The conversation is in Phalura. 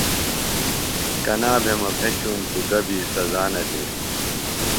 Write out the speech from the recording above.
کنا بھےۡ مہ بھیشُوۡم توۡ گہ بیۡ سزا نہ دےۡ۔